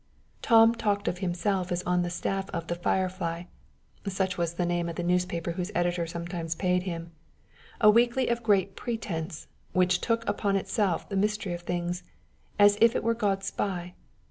Tom talked of himself as on the staff of "The Firefly" such was the name of the newspaper whose editor sometimes paid him a weekly of great pretense, which took upon itself the mystery of things, as if it were God's spy.